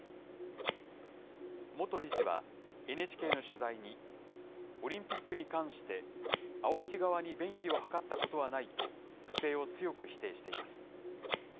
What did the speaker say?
元理事は、ＮＨＫの取材に、オリンピックに関して、ＡＯＫＩ側に便宜を図ったことはないと、不正を強く否定しています。